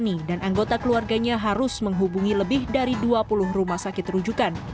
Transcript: ini dan anggota keluarganya harus menghubungi lebih dari dua puluh rumah sakit rujukan